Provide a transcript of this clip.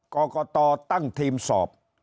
กรกตตั้งทีมสอบ